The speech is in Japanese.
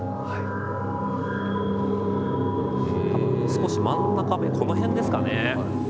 少し真ん中めこの辺ですかね。